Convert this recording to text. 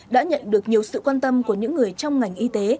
đã nhận được nhiều sự quan tâm của những người trong ngành y tế